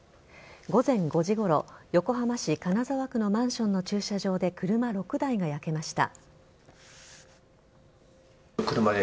午前５時ごろ横浜市金沢区のマンションの駐車場で車６台が焼けました。